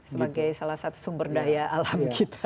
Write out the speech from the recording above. sebagai salah satu sumber daya alam kita